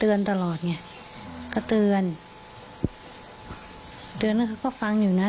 ตลอดไงก็เตือนเตือนเขาก็ฟังอยู่นะ